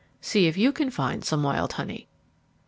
_ _See if you can find some wild honey.